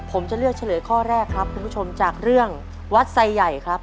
ผมจะเลือกเฉลยข้อแรกครับคุณผู้ชมจากเรื่องวัดไซใหญ่ครับ